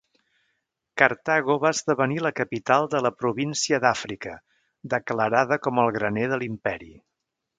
Cartago va esdevenir la capital de la Província d'Àfrica, declarada com el graner de l'imperi.